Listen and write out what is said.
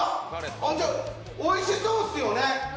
おいしそうっすよね。